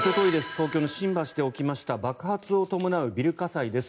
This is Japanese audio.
東京の新橋で起きました爆発を伴うビル火災です。